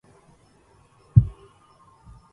قد كنت أبكي من صريمة خلة